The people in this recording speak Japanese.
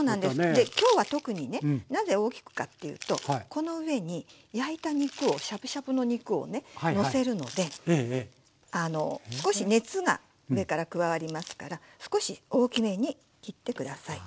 で今日は特にねなぜ大きくかっていうとこの上に焼いた肉をしゃぶしゃぶの肉をねのせるのであの少し熱が上から加わりますから少し大きめに切って下さい。